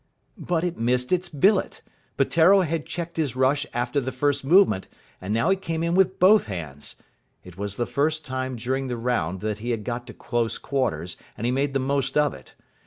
But it missed its billet. Peteiro had checked his rush after the first movement, and now he came in with both hands. It was the first time during the round that he had got to close quarters, and he made the most of it.